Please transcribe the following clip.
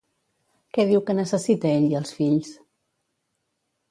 Què diu que necessita ell i els fills?